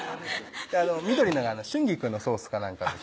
緑のが春菊のソースか何かです